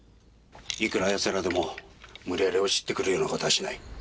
いくら奴らでも無理やり押し入ってくるような事はしない。